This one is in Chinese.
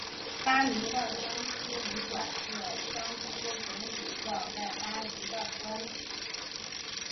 巴黎的桑斯旅馆是桑斯总主教在巴黎的官邸。